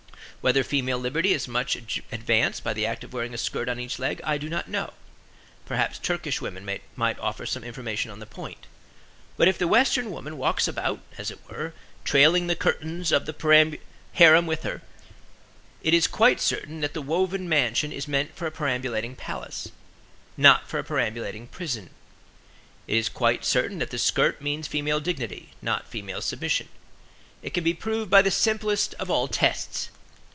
Whether female liberty is much advanced by the act of wearing a skirt on each leg I do not know; perhaps Turkish women might offer some information on the point. But if the western woman walks about (as it were) trailing the curtains of the harem with her, it is quite certain that the woven mansion is meant for a perambulating palace, not for a perambulating prison. It is quite certain that the skirt means female dignity, not female submission; it can be proved by the simplest of all tests.